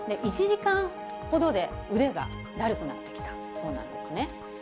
１時間ほどで腕がだるくなってきたそうなんですね。